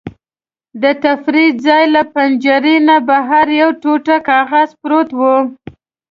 د تفریح ځای له پنجرې نه بهر یو ټوټه کاغذ پروت و.